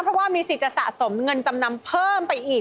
เพราะว่ามีสิทธิ์จะสะสมเงินจำนำเพิ่มไปอีก